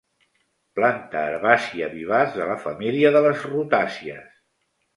Planta herbàcia vivaç de la família de les rutàcies.